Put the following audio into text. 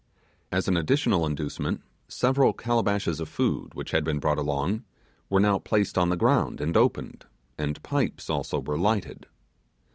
As an additional inducement, several calabashes of food, which had been brought along, were now placed on the ground, and opened, and pipes also were lighted.